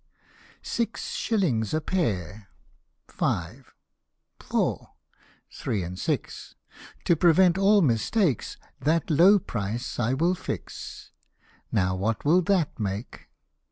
" Six shillings a pair five four three and six, To prevent all mistakes, that low price I will fix ; Now what will that make